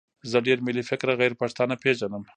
زه ډېر ملي فکره غیرپښتانه پېژنم.